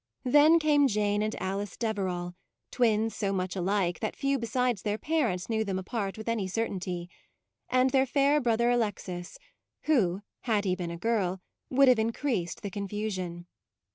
Then came Jane and Alice Deverall, twins so much alike that few besides their parents knew them apart with any certainty ; and their fair brother Alexis, who, had he been a girl, would have increased the confusion.